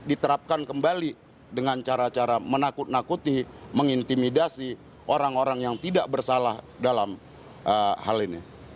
diterapkan kembali dengan cara cara menakut nakuti mengintimidasi orang orang yang tidak bersalah dalam hal ini